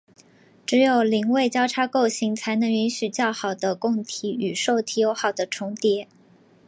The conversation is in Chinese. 只有邻位交叉构型才能允许较好的供体与受体有好的重叠。